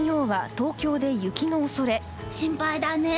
心配だね。